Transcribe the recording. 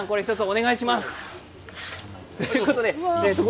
お願いします。